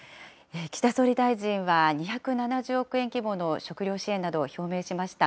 岸田総理大臣は２７０億円規模の食料支援などを表明しました。